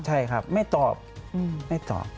ใช่ครับไม่ตอบ